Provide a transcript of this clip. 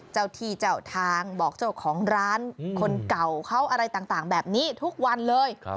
เจ้าที่เจ้าทางบอกเจ้าของร้านคนเก่าเขาอะไรต่างแบบนี้ทุกวันเลย